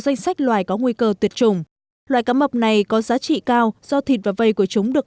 danh sách loài có nguy cơ tuyệt chủng loài cá mập này có giá trị cao do thịt và vây của chúng được